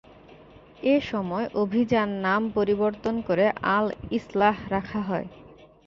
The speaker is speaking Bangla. এসময় অভিযান নাম পরিবর্তন করে আল ইসলাহ রাখা হয়।